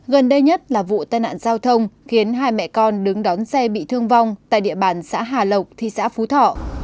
gần đây nhất là vụ tai nạn giao thông khiến hai mẹ con đứng đón xe bị thương vong tại địa bàn xã hà lộc thị xã phú thọ